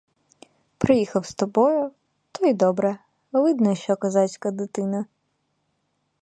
Приїхав з тобою, то й добре, видно, що козацька дитина.